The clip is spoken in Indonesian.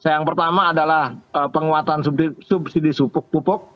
yang pertama adalah penguatan subsidi pupuk pupuk